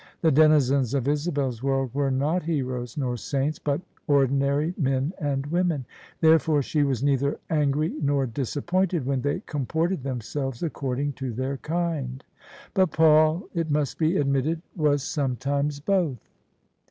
The denizens of Isabel's world were not heroes nor saints, but ordinary men and women: therefore she was neither angry nor disappointed when they comported themselves according to their kind. But Paul, it must be admitted, was sometimes both.